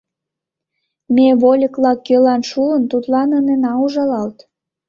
Ме вольыкла кӧлан шуын тудлан ынена ужалалт.